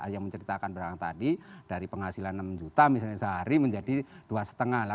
yang menceritakan belakang tadi dari penghasilan enam juta misalnya sehari menjadi dua lima lah